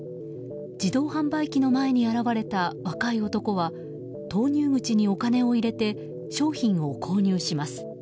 自動販売機の前に現れた若い男は投入口にお金を入れて、商品を購入します。